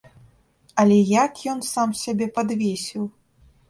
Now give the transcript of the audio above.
Але як ён сам сябе падвесіў?